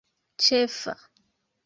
ĉefa